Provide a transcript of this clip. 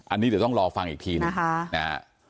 อันนี้เดี๋ยวต้องรอฟังอีกทีหนึ่งนะฮะ